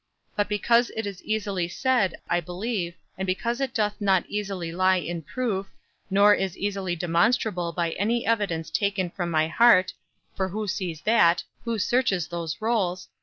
But because it is easily said, I believe, and because it doth not easily lie in proof, nor is easily demonstrable by any evidence taken from my heart (for who sees that, who searches those rolls?)